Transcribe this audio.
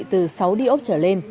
từ sáu đi ốp trở lên